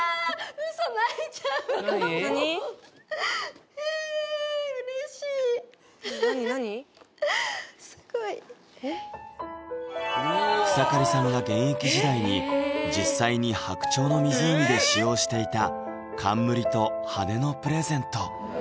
ウフフすごい草刈さんが現役時代に実際に「白鳥の湖」で使用していた冠と羽根のプレゼント